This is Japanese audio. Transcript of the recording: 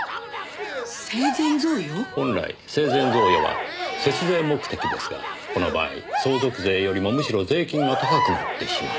本来生前贈与は節税目的ですがこの場合相続税よりもむしろ税金が高くなってしまう。